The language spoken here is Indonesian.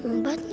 bagus lah ini